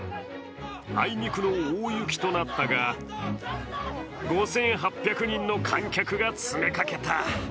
あいにくの大雪となったが５８００人の観客が詰めかけた。